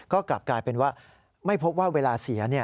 ก็กลับกลายเป็นว่าไม่พบว่าเวลาเสีย